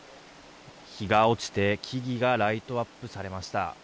日が落ちて木々がライトアップされました。